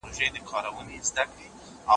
د قصاص حق مقتول ته ورکول کېږي.